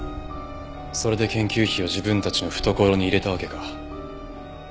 それで研究費を自分たちの懐に入れたわけか。